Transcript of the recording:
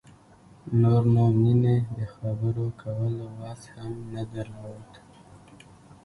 نور نو مينې د خبرو کولو وس هم نه درلود.